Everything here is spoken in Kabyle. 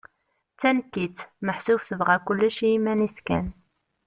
D tanekkit, meḥsub tebɣa kullec i iman-is kan.